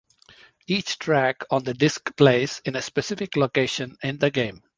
Each track on the disc plays in a specific location in the game.